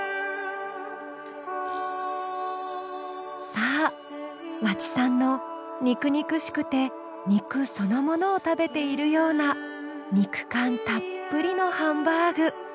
さあ和知さんの肉肉しくて肉そのものを食べているような肉感たっぷりのハンバーグ。